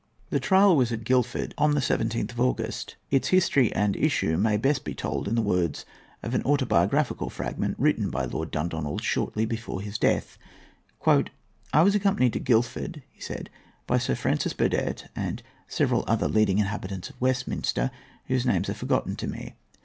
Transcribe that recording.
The trial was at Guildford, on the 17th of August. Its history and issue may best be told in the words of an autobiographical fragment, written by Lord Dundonald shortly before his death. "I was accompanied to Guildford," he said, "by Sir Francis Burdett and several other leading inhabitants of Westminster, whose names are forgotten by me.